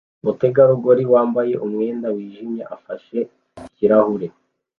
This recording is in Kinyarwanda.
Umutegarugori wambaye umwenda wijimye afashe ikirahure